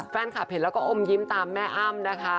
แฟนคลับเห็นแล้วก็อมยิ้มตามแม่อ้ำนะคะ